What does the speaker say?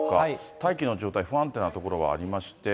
大気の状態不安定な所はありまして。